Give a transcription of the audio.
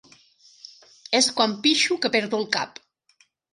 És quan pixo que perdo el cap.